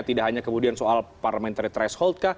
tidak hanya kemudian soal parliamentary threshold kah